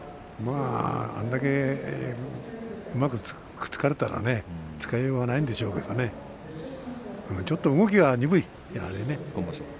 あれだけうまくくっつかれたらね使いようがないんでしょうけれどもねちょっと動きが鈍い、やはりね。